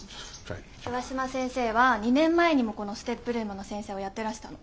上嶋先生は２年前にもこのＳＴＥＰルームの先生をやってらしたの。